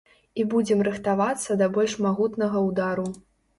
І будзем рыхтавацца да больш магутнага ўдару.